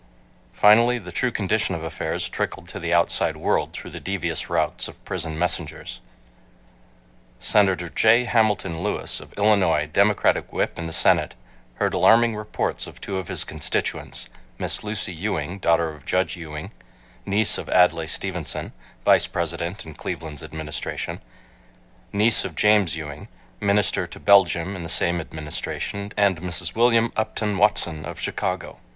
Finally the true condition of affairs trickled to the outside world through the devious routes of prison messengers. Senator J. Hamilton Lewis, of Illinois, Democratic whip in the Senate, heard alarming reports of two of his constituents, Miss Lucy Ewing, daughter of Judge Ewing, niece of Adlai Stevenson, Vice President in Cleveland's Administration, niece of James Ewing, minister to Belgium in the same Administration, and Mrs. William Upton Watson of Chicago.